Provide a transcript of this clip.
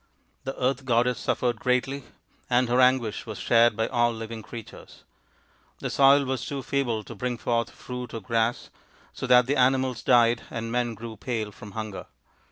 The earth goddess suffered greatly, and her anguish was shared by all living creatures ; the soil was too feeble to bring forth fruit or grass, so that the animals died, and men grew pale from hunger.